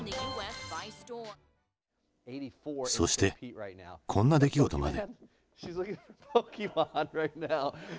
そしてこんな出来事まで。